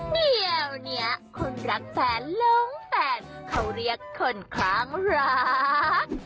เดี๋ยวนี้คนรักแฟนลุงแฟนเขาเรียกคนครั้งรัก